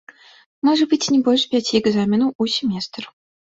Можа быць не больш пяці экзаменаў у семестр.